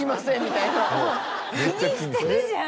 気にしてるじゃん。